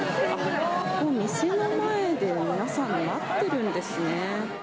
店の前で皆さん、待っているんですね。